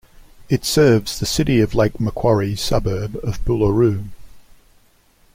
It serves the City of Lake Macquarie suburb of Boolaroo.